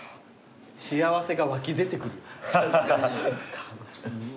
幸せが湧き出てくるかむと。